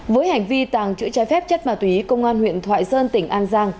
với hành vi tàng trữ trái phép chất ma túy công an huyện thoại sơn tỉnh an giang